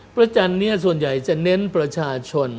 พระจันทร์นี้ส่วนใหญ่จะเน้นประชาชน